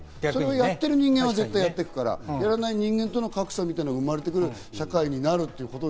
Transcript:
やってる人間は絶対やっていくから、やらない人間との格差みたいなものが生まれてくる社会になるのか。